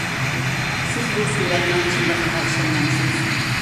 سىز بۇ سۈرەتنىڭ چىنلىقىغا ئىشەنمەمسىز؟